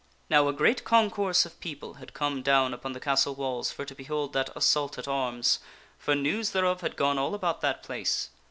Now a great concourse of people had come down upon the castle Wctlls for to behold that assault at arms, for news thereof had gone all about that place.